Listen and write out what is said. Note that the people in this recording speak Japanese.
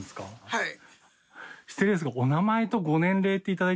はい。